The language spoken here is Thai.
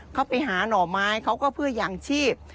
เขาไปหาหน่อไม้เขาก็เพื่ออย่างชีพ